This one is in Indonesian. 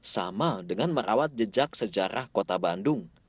sama dengan merawat jejak sejarah kota bandung